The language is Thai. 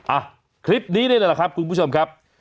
อ่ะคลิปนี้นี่แหละครับคุณผู้ชมครับ